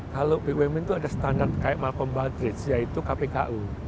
kalau bumn itu ada standar kayak malcome baldrage yaitu kpku